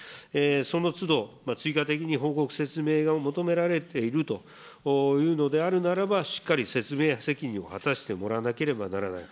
そのつど、追加的に報告、説明が求められているというのであるならば、しっかり説明責任を果たしてもらわなければならない。